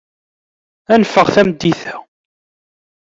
Ad neffeɣ tameddit-a.